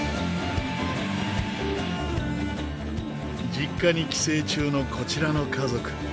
実家に帰省中のこちらの家族。